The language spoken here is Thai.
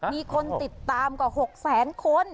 มีคนติดตามกว่า๖แสนคน